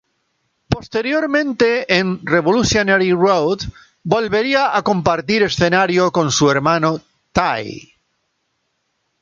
Posteriormente en "Revolutionary Road" volvería a compartir escenario con su hermano Ty.